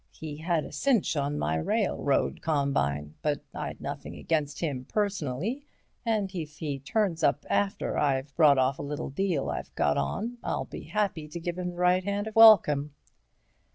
He had a cinch on my railroad combine, but I'd nothing against him personally, and if he turns up after I've brought off a little deal I've got on, I'll be happy to give him the right hand of welcome."